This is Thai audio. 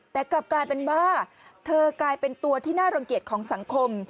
แต่กลับกลายเป็นว่าเธอกลายเป็นตัวที่น่ารังเกียจของสังคม